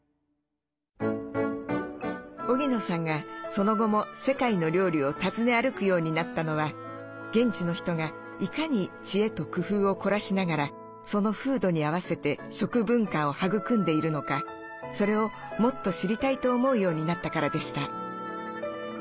荻野さんがその後も世界の料理を訪ね歩くようになったのは現地の人がいかに知恵と工夫を凝らしながらその風土に合わせて食文化を育んでいるのかそれをもっと知りたいと思うようになったからでした。